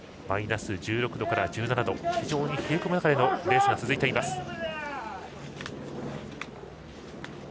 マイナス１６度から１７度と非常に冷え込む中でのレースが続いています。